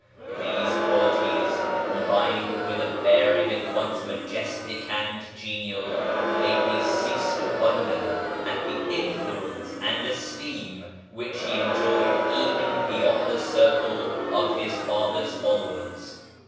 These qualities, combined with a bearing at once majestic and genial, made me cease to wonder at the influence and esteem which he enjoyed even beyond the circle of his father's followers.